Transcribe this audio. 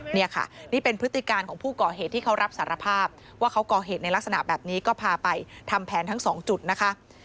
นี่ค่ะนี่เป็นพฤติการของผู้ก่อเหตุที่เขารับสารภาพว่าเขาก่อเหตุในลักษณะแบบนี้ก็พาไปทำแผนทั้งสองจุดนะคะ